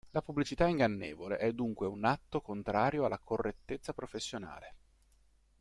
La pubblicità ingannevole è dunque un atto contrario alla correttezza professionale.